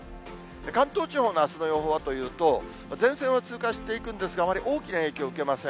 関東地方のあすの予報はというと、前線は通過していくんですが、あまり大きな影響受けません。